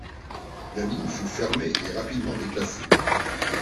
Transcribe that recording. La ligne fut fermée et rapidement déclassée.